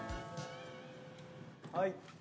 はい。